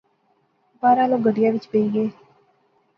بہرحال او گڈیا وچ بہجی گئے